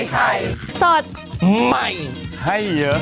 ฮ่า